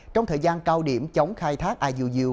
trong thời gian cao điểm chống khai thác iuu